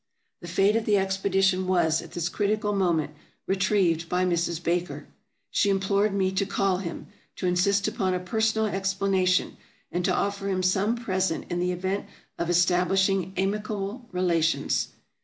The fate of the expedition was, at this critical moment, retrieved by Mrs. Baker. She implored me to call him, to insist upon a personal explanation, and to offer him some present in the event of establishing amicable relations.